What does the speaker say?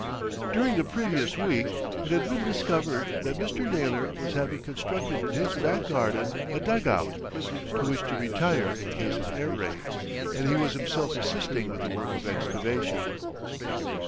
During the previous week it had been discovered that Mr. Naylor was having constructed in his back garden a dug out, to which to retire in case of air raids, and he was himself assisting with the work of excavation.